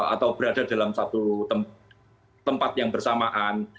atau berada dalam satu tempat yang bersamaan